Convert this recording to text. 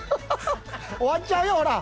終わっちゃうよほら！